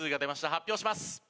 発表します。